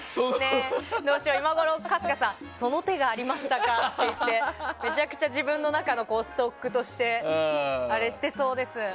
今ごろ春日さんその手がありましたかって言ってめちゃくちゃ自分の中のストックとしてあれしてそうです。